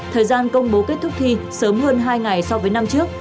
thời gian công bố kết thúc thi sớm hơn hai ngày so với năm trước